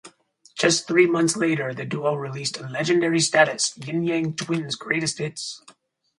Just three months later, the duo released Legendary Status: Ying Yang Twins Greatest Hits.